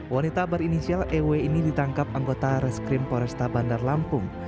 wanita berinisial ew ini ditangkap anggota reskrim poresta bandar lampung